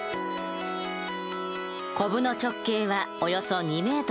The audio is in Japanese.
こぶの直径はおよそ２ｍ。